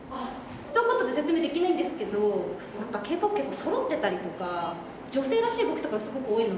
ひと言で説明できないんですけどＫ−ＰＯＰって結構そろってたりとか女性らしい動きとかすごく多いので。